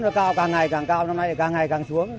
và cao càng ngày càng cao năm nay thì càng ngày càng xuống